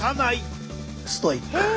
ストイック。